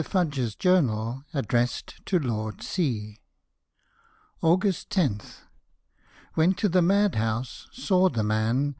FUDGE'S JOURNAL, ADDRESSED TO LORD C. August lo. Went to the Mad house — saw the man.